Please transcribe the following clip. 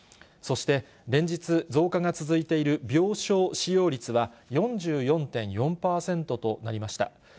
そして、連日、増加が続いている病床使用率は４４．４％となりました。